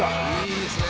「いいですね」